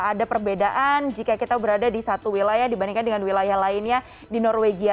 ada perbedaan jika kita berada di satu wilayah dibandingkan dengan wilayah lainnya di norwegia